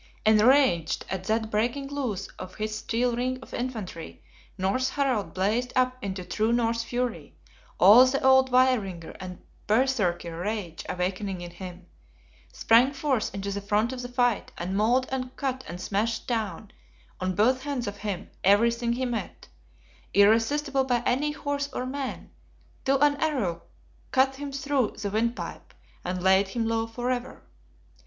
Enraged at that breaking loose of his steel ring of infantry, Norse Harald blazed up into true Norse fury, all the old Vaeringer and Berserkir rage awakening in him; sprang forth into the front of the fight, and mauled and cut and smashed down, on both hands of him, everything he met, irresistible by any horse or man, till an arrow cut him through the windpipe, and laid him low forever.